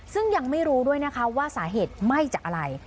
ซึ่งยังไม่รู้ด้วยนะคะว่าสาเหตุไหม้จากอะไร